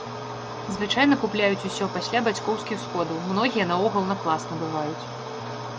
Звычайна купляюць усё пасля бацькоўскіх сходаў, многія наогул на клас набываюць.